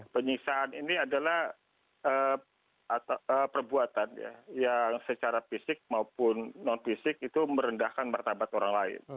penyiksaan ini adalah perbuatan yang secara fisik maupun non fisik itu merendahkan martabat orang lain